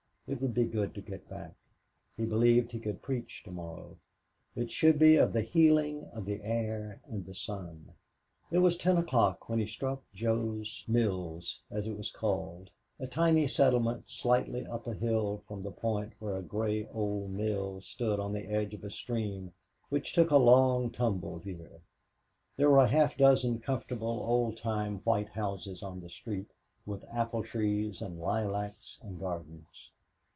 It would be good to get back. He believed he could preach to morrow. It should be of the healing of the air and the sun. It was ten o'clock when he struck Jo's Mills, as it was called a tiny settlement slightly up a hill from the point where a gray old mill stood on the edge of a stream which took a long tumble here. There were a half dozen, comfortable, old time, white houses on the street, with apple trees and lilacs and gardens.